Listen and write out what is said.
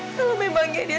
kalau memang dia